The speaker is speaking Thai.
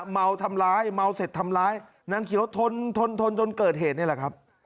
เมาทำร้ายเมาเสร็จทำร้ายนางเขียวทนทนทนจนเกิดเหตุนี่แหละครับ